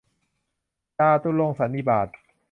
จาตุรงคสันนิบาต